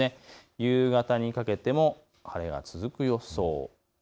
夕方にかけても晴れは続く予想です。